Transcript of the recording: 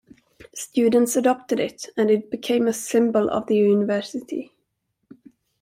Students adopted it, and it became a symbol of the university.